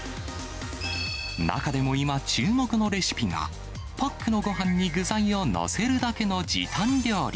中でも今、注目のレシピが、パックのごはんに具材を載せるだけの時短料理。